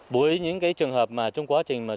bối với những trường hợp này chúng tôi đã có thể di rời